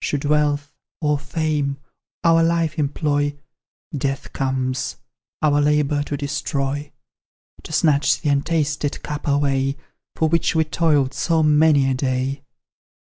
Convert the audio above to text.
Should Wealth, or Fame, our Life employ, Death comes, our labour to destroy; To snatch the untasted cup away, For which we toiled so many a day.